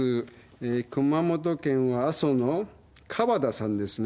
えー熊本県は阿蘇の川田さんですね。